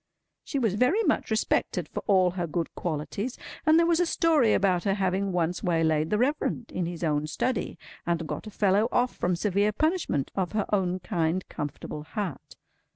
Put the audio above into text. She was very much respected for all her good qualities, and there was a story about her having once waylaid the Reverend in his own study, and got a fellow off from severe punishment, of her own kind comfortable heart.